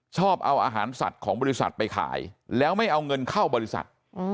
ชอบเอาอาหารสัตว์ของบริษัทไปขายแล้วไม่เอาเงินเข้าบริษัท